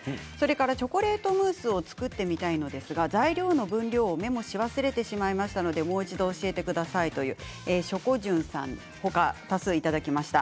チョコレートムースを作ってみたいのですが、材料の分量をメモし忘れてしまいましたのでもう一度教えてくださいと多数いただきました。